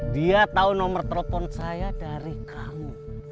dia tahu nomor telepon saya dari kamu